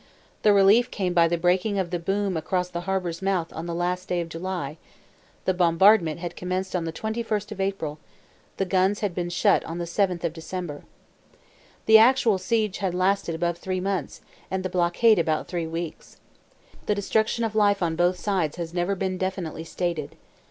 The relief came by the breaking of the boom across the harbour's mouth on the last day of July; the bombardment had commenced on the 21st of April; the gates had been shut on the 7th of December. The actual siege had lasted above three months, and the blockade about three weeks. The destruction of life on both sides has never been definitely stated.